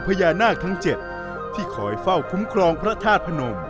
พระยานาคทั้ง๗ที่ค่อยปล่อยกุ้งคลองพระธาตุพนม